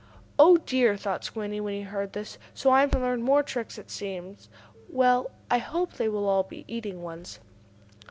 "Oh dear!" thought Squinty, when he heard this. "So I am to learn more tricks, it seems. Well, I hope they will all be eating ones."